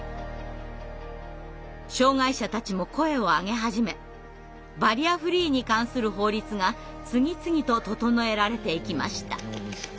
障害者たちも声を上げ始めバリアフリーに関する法律が次々と整えられていきました。